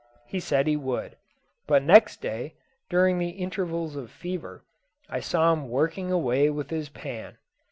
He said he would; but next day, during the intervals of fever, I saw him working away with his pan.